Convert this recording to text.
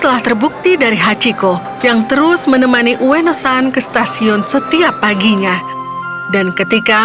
apakah kau disini sepanjang